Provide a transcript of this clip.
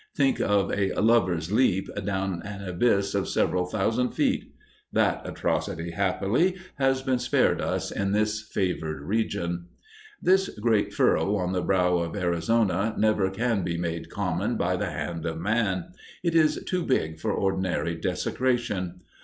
Think of a "Lover's Leap" down an abyss of several thousand feet! That atrocity, happily, has been spared us in this favored region. This great furrow on the brow of Arizona never can be made common by the hand of man. It is too big for ordinary desecration.